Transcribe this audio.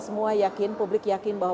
semua yakin publik yakin bahwa